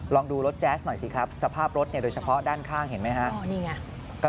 ลองดูรถแจ๊สหน่อยสิครับสภาพรถโดยเฉพาะด้านข้างเห็นไหมฮะ